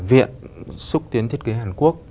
viện xuất tiến thiết kế hàn quốc